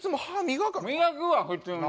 磨くわ普通に。